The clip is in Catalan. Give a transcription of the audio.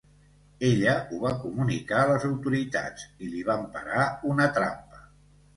Ella ho va comunicar a les autoritats i li van parar una trampa.